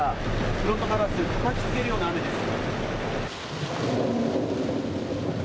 フロントガラス、たたきつけるような雨です。